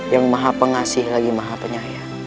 yang maha pengasih lagi maha penyayang